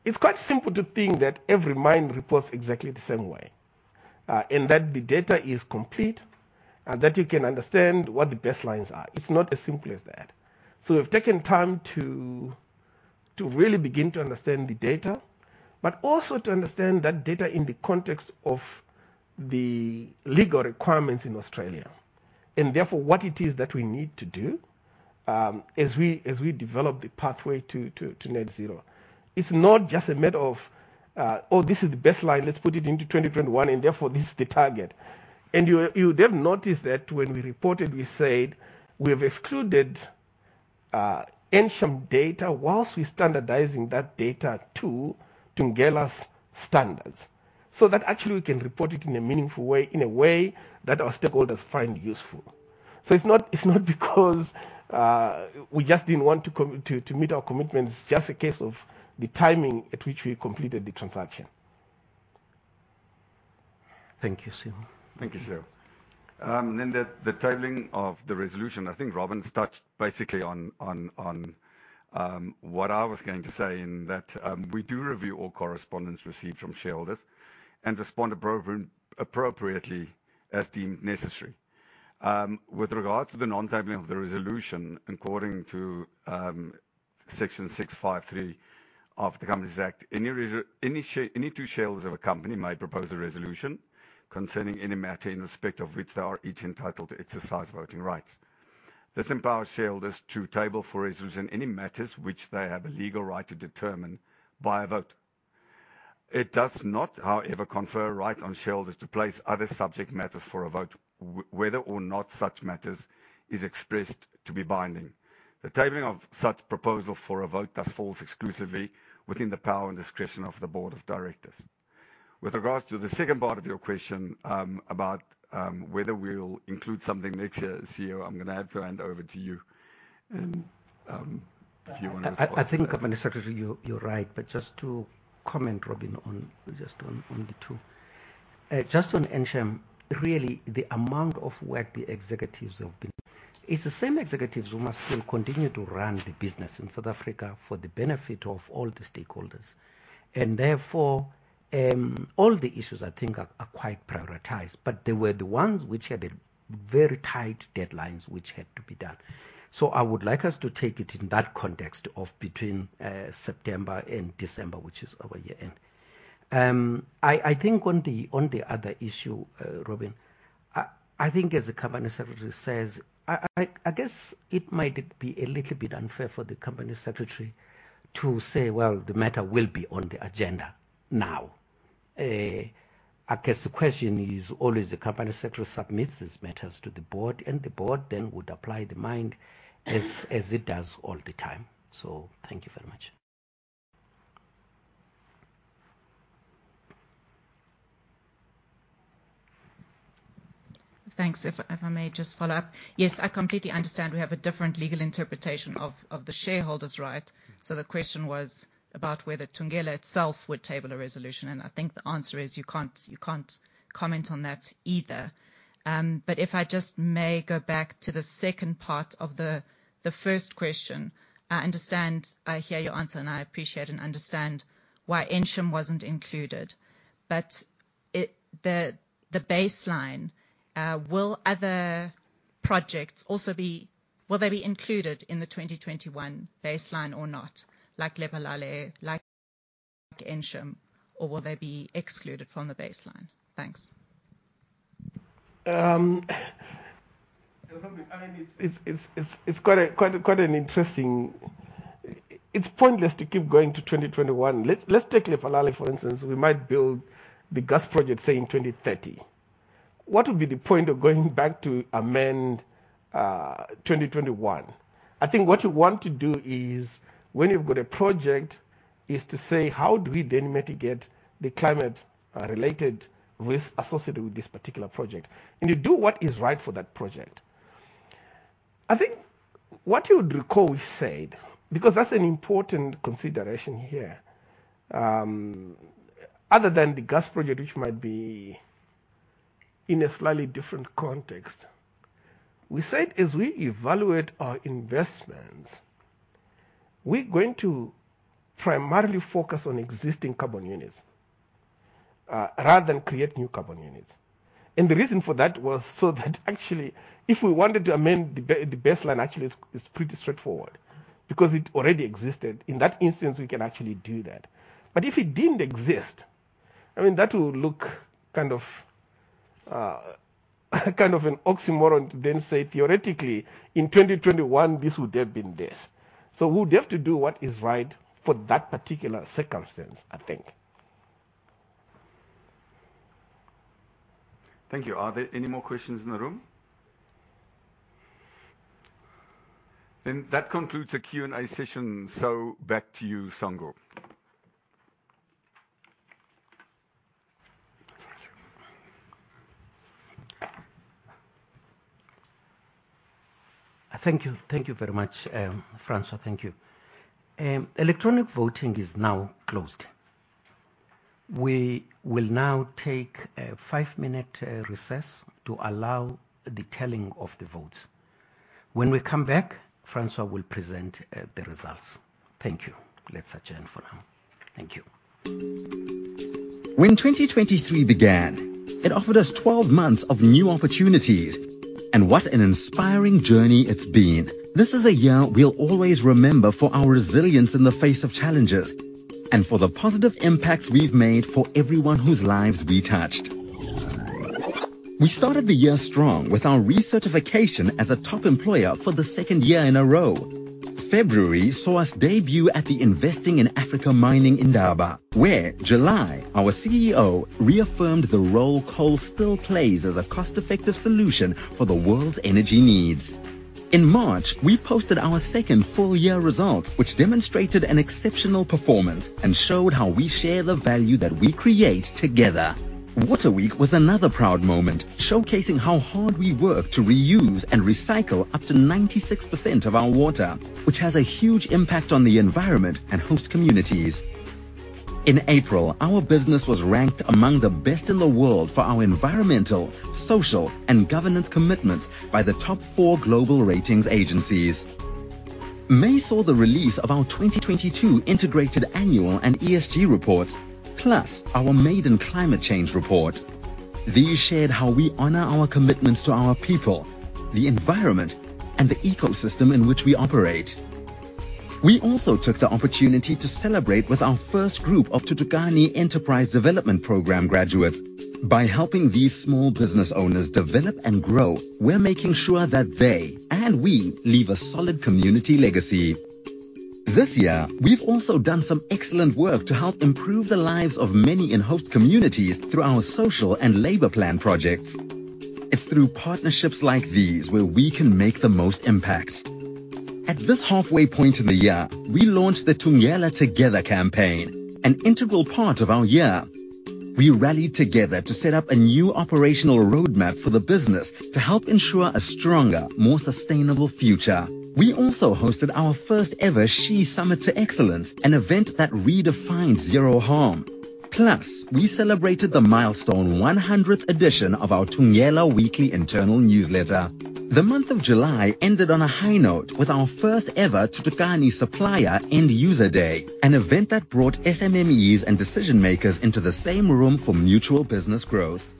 It's quite simple to think that every mine reports exactly the same way, and that the data is complete, and that you can understand what the baselines are. It's not as simple as that. So we've taken time to really begin to understand the data, but also to understand that data in the context of the legal requirements in Australia, and therefore, what it is that we need to do, as we develop the pathway to net zero. It's not just a matter of, "Oh, this is the baseline, let's put it into 2021, and therefore, this is the target." And you would have noticed that when we reported, we said we have excluded Ensham data whilst we're standardizing that data to Thungela's standards, so that actually we can report it in a meaningful way, in a way that our stakeholders find useful. So it's not, it's not because we just didn't want to come to meet our commitments, it's just a case of the timing at which we completed the transaction. Thank you, CEO. Thank you, CEO. Then the tabling of the resolution, I think Robyn touched basically on what I was going to say in that we do review all correspondence received from shareholders and respond appropriately as deemed necessary. With regards to the non-tabling of the resolution, according to Section 65(3) of the Companies Act, any two shareholders of a company may propose a resolution concerning any matter in respect of which they are each entitled to exercise voting rights. This empowers shareholders to table for resolution any matters which they have a legal right to determine by a vote. It does not, however, confer a right on shareholders to place other subject matters for a vote, whether or not such matters is expressed to be binding. The tabling of such proposal for a vote thus falls exclusively within the power and discretion of the board of directors. With regards to the second part of your question, about whether we'll include something next year, CEO, I'm gonna have to hand over to you and, if you want to respond. I think, company secretary, you're right, but just to comment, Robyn, on just on the two. Just on Ensham, really, the amount of work the executives have been... It's the same executives who must still continue to run the business in South Africa for the benefit of all the stakeholders, and therefore... All the issues I think are quite prioritized, but there were the ones which had a very tight deadlines, which had to be done. So I would like us to take it in that context of between September and December, which is our year-end. I think on the other issue, Robin, I think as the company secretary says, I guess it might be a little bit unfair for the company secretary to say, "Well, the matter will be on the agenda now." I guess the question is always the company secretary submits these matters to the board, and the board then would apply the mind as it does all the time. So thank you very much. Thanks. If, if I may just follow up. Yes, I completely understand we have a different legal interpretation of the shareholder's right. So the question was about whether Thungela itself would table a resolution, and I think the answer is you can't, you can't comment on that either. But if I just may go back to the second part of the first question, I understand... I hear your answer, and I appreciate and understand why Ensham wasn't included, but the baseline, will other projects also be—will they be included in the 2021 baseline or not, like Lephalale, like Ensham, or will they be excluded from the baseline? Thanks. The problem, I mean, it's quite an interesting... It's pointless to keep going to 2021. Let's take Lephalale, for instance. We might build the gas project, say, in 2030. What would be the point of going back to amend 2021? I think what you want to do is, when you've got a project, is to say: How do we then mitigate the climate related risk associated with this particular project? And you do what is right for that project. I think what you would recall we said, because that's an important consideration here, other than the gas project, which might be in a slightly different context. We said as we evaluate our investments, we're going to primarily focus on existing carbon units rather than create new carbon units. The reason for that was so that actually, if we wanted to amend the baseline, actually it's, it's pretty straightforward because it already existed. In that instance, we can actually do that. But if it didn't exist, I mean, that would look kind of, kind of an oxymoron to then say, theoretically, in 2021, this would have been this. So we'd have to do what is right for that particular circumstance, I think. Thank you. Are there any more questions in the room? Then that concludes the Q&A session, so back to you, Sango. Thank you. Thank you very much, Francois. Thank you. Electronic voting is now closed. We will now take a five-minute recess to allow the telling of the votes. When we come back, Francois will present the results. Thank you. Let's adjourn for now. Thank you. When 2023 began, it offered us 12 months of new opportunities, and what an inspiring journey it's been! This is a year we'll always remember for our resilience in the face of challenges and for the positive impacts we've made for everyone whose lives we touched. We started the year strong with our recertification as a top employer for the second year in a row. February saw us debut at the Investing in African Mining Indaba, where July, our CEO, reaffirmed the role coal still plays as a cost-effective solution for the world's energy needs. In March, we posted our second full year results, which demonstrated an exceptional performance and showed how we share the value that we create together. Water Week was another proud moment, showcasing how hard we work to reuse and recycle up to 96% of our water, which has a huge impact on the environment and host communities. In April, our business was ranked among the best in the world for our environmental, social, and governance commitments by the top four global ratings agencies. May saw the release of our 2022 integrated annual and ESG reports, plus our maiden climate change report. These shared how we honor our commitments to our people, the environment, and the ecosystem in which we operate. We also took the opportunity to celebrate with our first group of Tutukani Enterprise Development Program graduates. By helping these small business owners develop and grow, we're making sure that they, and we, leave a solid community legacy. This year, we've also done some excellent work to help improve the lives of many host communities through our social and labor plan projects. It's through partnerships like these where we can make the most impact. At this halfway point in the year, we launched the Thungela Together campaign, an integral part of our year. We rallied together to set up a new operational roadmap for the business to help ensure a stronger, more sustainable future. We also hosted our first ever SHE Summit to Excellence, an event that redefined zero harm. Plus, we celebrated the milestone 100th edition of our Thungela weekly internal newsletter. The month of July ended on a high note with our first ever Tutukani Supplier and User Day, an event that brought SMEs and decision-makers into the same room for mutual business growth....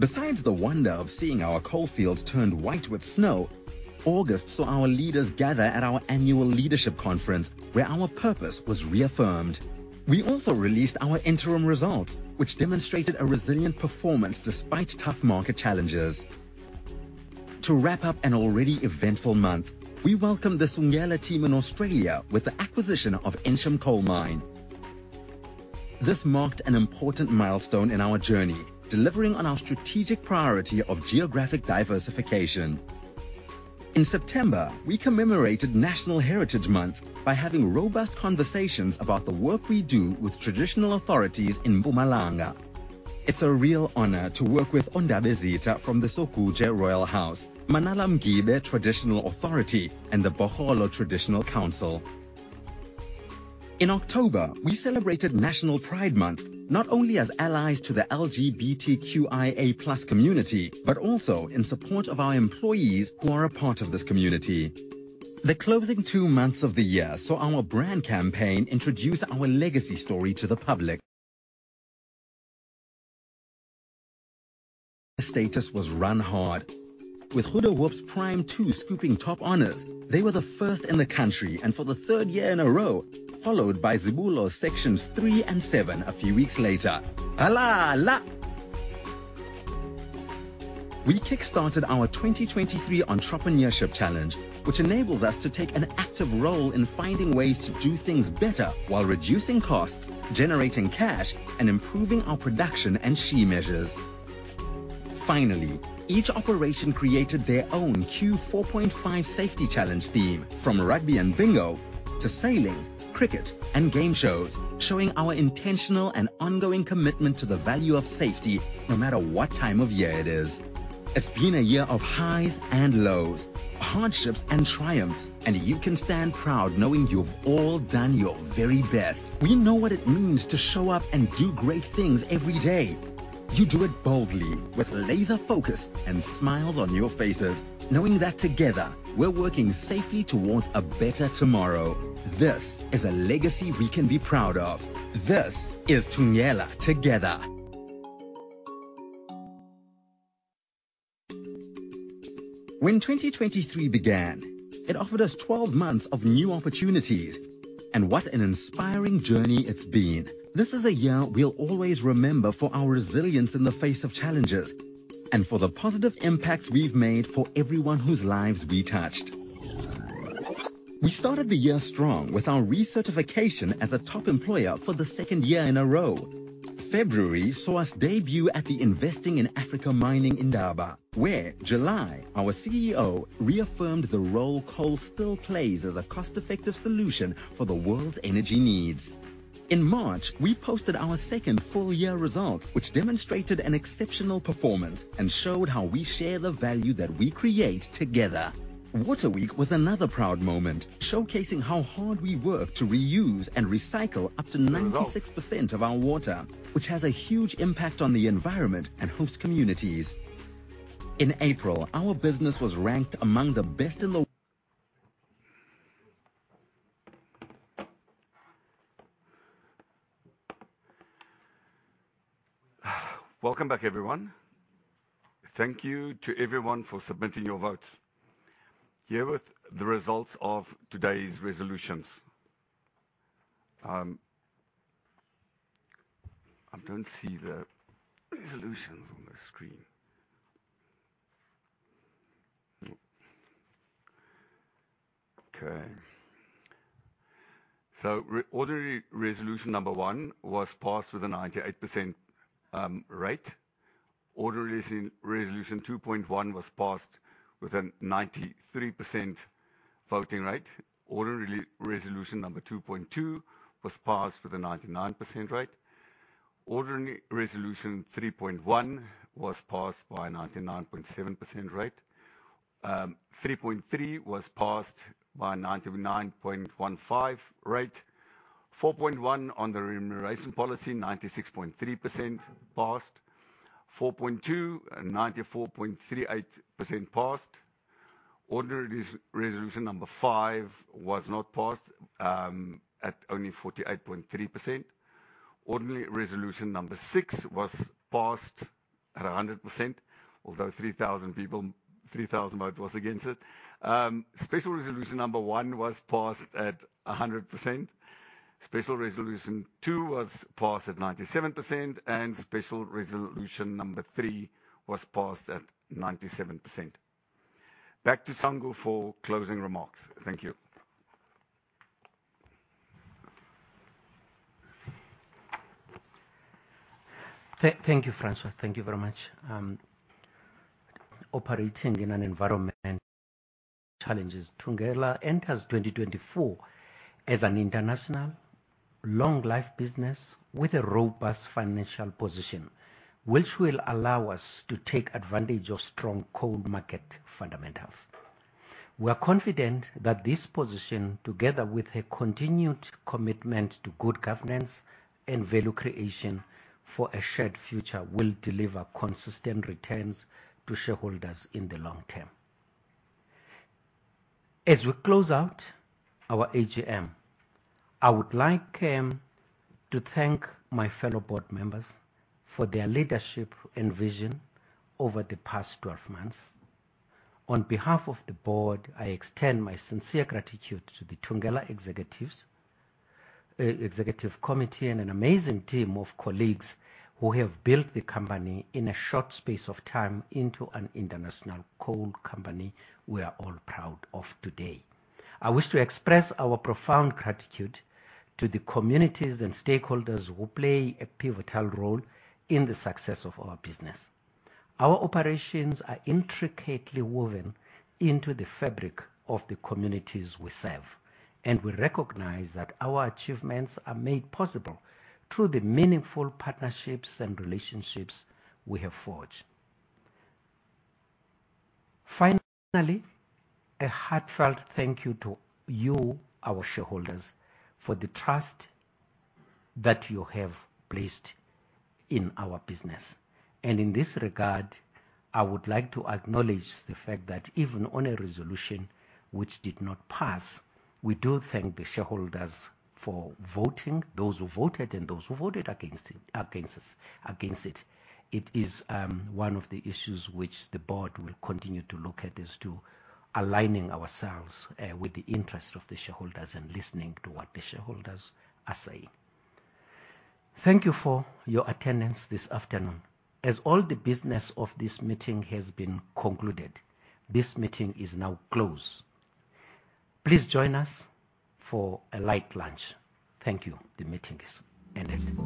Besides the wonder of seeing our coal fields turned white with snow, August saw our leaders gather at our annual leadership conference, where our purpose was reaffirmed. We also released our interim results, which demonstrated a resilient performance despite tough market challenges. To wrap up an already eventful month, we welcomed the Thungela team in Australia with the acquisition of Ensham Mine. This marked an important milestone in our journey, delivering on our strategic priority of geographic diversification. In September, we commemorated National Heritage Month by having robust conversations about the work we do with traditional authorities in Mpumalanga. It's a real honor to work with Ondabezitha from the Sokobuje Royal House, Manala Mgibe Traditional Authority, and the Baholo Traditional Council. In October, we celebrated National Pride Month, not only as allies to the LGBTQIA+ community, but also in support of our employees who are a part of this community. The closing two months of the year saw our brand campaign introduce our legacy story to the public. Status was run hard, with Goedehoop's Plant Two scooping top honors. They were the first in the country, and for the third year in a row, followed by Zibulo's sections 3 and 7 a few weeks later. Halala! We kick-started our 2023 entrepreneurship challenge, which enables us to take an active role in finding ways to do things better while reducing costs, generating cash, and improving our production and SHE measures. Finally, each operation created their own Q4.5 safety challenge theme, from rugby and bingo to sailing, cricket, and game shows, showing our intentional and ongoing commitment to the value of safety, no matter what time of year it is. It's been a year of highs and lows, hardships and triumphs, and you can stand proud knowing you've all done your very best. We know what it means to show up and do great things every day. You do it boldly, with laser focus and smiles on your faces, knowing that together we're working safely towards a better tomorrow. This is a legacy we can be proud of. This is Thungela together. When 2023 began, it offered us 12 months of new opportunities, and what an inspiring journey it's been. This is a year we'll always remember for our resilience in the face of challenges and for the positive impacts we've made for everyone whose lives we touched. We started the year strong with our recertification as a top employer for the second year in a row. February saw us debut at the Investing in Africa Mining Indaba, where July, our CEO, reaffirmed the role coal still plays as a cost-effective solution for the world's energy needs. In March, we posted our second full year results, which demonstrated an exceptional performance and showed how we share the value that we create together. Water Week was another proud moment, showcasing how hard we work to reuse and recycle up to 96% of our water, which has a huge impact on the environment and host communities. In April, our business was ranked among the best in the w- Welcome back, everyone. Thank you to everyone for submitting your votes. Here with the results of today's resolutions. I don't see the resolutions on the screen. Okay. So ordinary resolution number 1 was passed with a 98% rate. Ordinary resolution 2.1 was passed with a 93% voting rate. Ordinary resolution number 2.2 was passed with a 99% rate. Ordinary resolution 3.1 was passed by 99.7% rate. 3.3 was passed by 99.15% rate. 4.1 on the remuneration policy, 96.3% passed. 4.2, 94.38% passed. Ordinary resolution number five was not passed at only 48.3%. Ordinary resolution number six was passed at 100%, although 3000 people... 3000 vote was against it. Special resolution number 1 was passed at 100%. Special resolution 2 was passed at 97%, and special resolution number 3 was passed at 97%. Back to Sango for closing remarks. Thank you. Thank you, Francois. Thank you very much. Operating in an environment challenges, Thungela enters 2024 as an international long life business with a robust financial position, which will allow us to take advantage of strong coal market fundamentals. We are confident that this position, together with a continued commitment to good governance and value creation for a shared future, will deliver consistent returns to shareholders in the long term. As we close out our AGM, I would like to thank my fellow board members for their leadership and vision over the past 12 months. On behalf of the board, I extend my sincere gratitude to the Thungela executives, executive committee, and an amazing team of colleagues who have built the company in a short space of time into an international coal company we are all proud of today. I wish to express our profound gratitude to the communities and stakeholders who play a pivotal role in the success of our business. Our operations are intricately woven into the fabric of the communities we serve, and we recognize that our achievements are made possible through the meaningful partnerships and relationships we have forged. Finally, a heartfelt thank you to you, our shareholders, for the trust that you have placed in our business, and in this regard, I would like to acknowledge the fact that even on a resolution which did not pass, we do thank the shareholders for voting, those who voted and those who voted against it. It is one of the issues which the board will continue to look at, as to aligning ourselves with the interests of the shareholders and listening to what the shareholders are saying. Thank you for your attendance this afternoon. As all the business of this meeting has been concluded, this meeting is now closed. Please join us for a light lunch. Thank you. The meeting is ended.